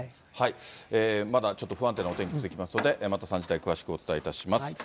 まだちょっと不安定なお天気続きますので、また３時台、詳しくお伝えします。